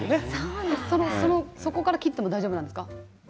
そこから切っても大丈夫なんですか？